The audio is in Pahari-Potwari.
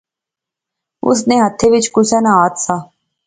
اس نے ہتھے وچ کسے نا ہتھ سا